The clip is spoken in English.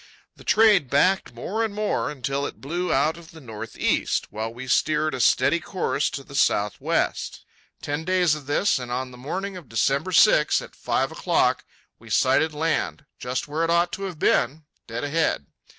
The trade backed more and more, until it blew out of the northeast, while we steered a steady course to the southwest. Ten days of this, and on the morning of December 6, at five o'clock, we sighted land "just where it ought to have been," dead ahead.